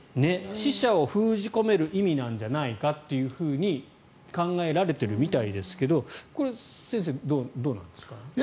死者を封じ込める意味なんじゃないかというふうに考えられているみたいですが先生どうなんですか。